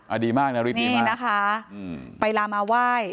อ่าดีมากนาริตดีมากนี่นะคะไปลามอาวาส